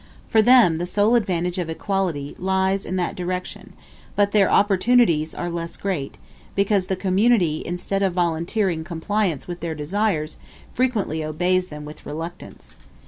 For them, the sole advantages of equality lie in that direction; but their opportunities are less great, because the community, instead of volunteering compliance with their desires, frequently obeys them with reluctance.